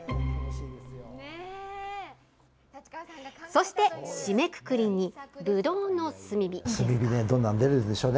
そして、締めくくりにぶどうの炭火。